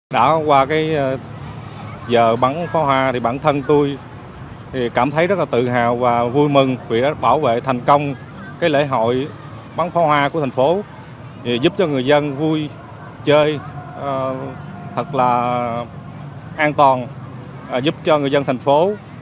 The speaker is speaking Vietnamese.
đã qua giờ bắn pháo hoa thì bản thân tôi cảm thấy rất là tự hào và vui mừng vì đã bảo vệ thành công lễ hội bắn pháo hoa của thành phố giúp cho người dân vui chơi thật là an toàn giúp cho người dân thành phố